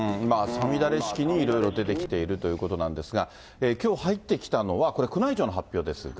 五月雨式にいろいろ出てきているということなんですが、きょう入ってきたのは、宮内庁の発表ですが。